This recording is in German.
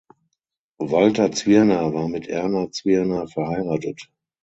Walter Zwirner war mit Erna Zwirner verheiratet.